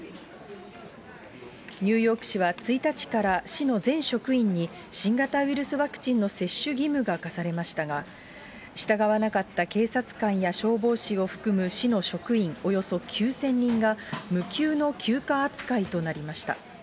ニューヨーク市は１日から市の全職員に、新型ウイルスワクチンの接種義務が課されましたが、従わなかった警察官や消防士を含む市の職員およそ９０００人が、無給の休暇扱いとなりました。